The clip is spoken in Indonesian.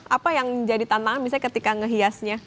apa yang menjadi tantangan misalnya ketika ngehiasnya